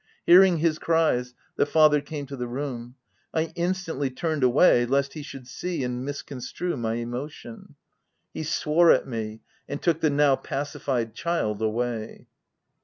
Hearing his cries, the father came to the room. I instantly turned away lest he should see and misconstrue my emotion., He swore at me, and took the now pacified child away.